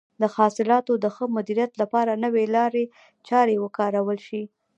د حاصلاتو د ښه مدیریت لپاره نوې لارې چارې وکارول شي.